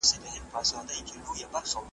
سړی خپل لاسونه ومینځل.